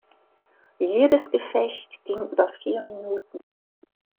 Jedes Gefecht ging über vier Minuten.